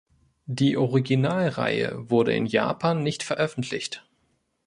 Die Original-Reihe wurde in Japan nicht veröffentlicht.